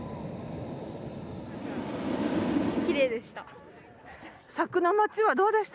きれいでした。